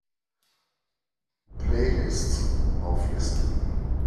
Playlists auflisten!